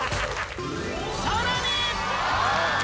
さらに！